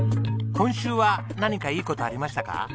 今週は何かいい事ありましたか？